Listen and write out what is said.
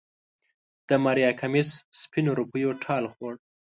د ماريا کميس سپينو روپيو ټال خوړ.